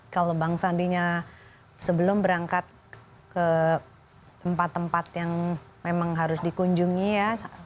kalau bang sandinya sebelum berangkat ke tempat tempat yang memang harus dikunjungi ya